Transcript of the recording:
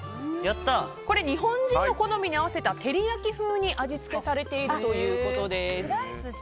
これは日本人の好みに合わせた照り焼き風に味付けされているということです。